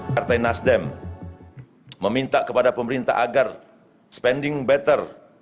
partai nasdem meminta kepada pemerintah agar spending better